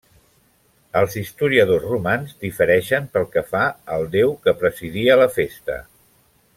Els historiadors romans difereixen pel que fa al déu que presidia la festa.